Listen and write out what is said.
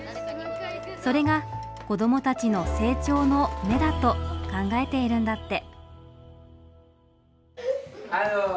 それが子どもたちの「成長の“芽”」だと考えているんだって。